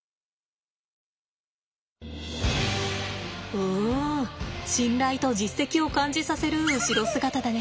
うん信頼と実績を感じさせる後ろ姿だね。